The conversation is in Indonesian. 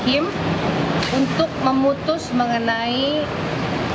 hanya ada dua hal yang harus kita lakukan